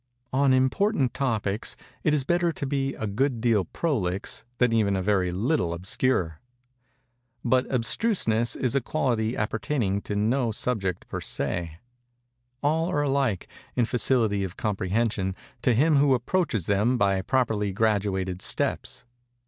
On important topics it is better to be a good deal prolix than even a very little obscure. But abstruseness is a quality appertaining to no subject per se. All are alike, in facility of comprehension, to him who approaches them by properly graduated steps.